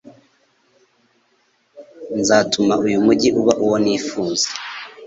Nzatuma uyu mugi uba uwo nifuzaga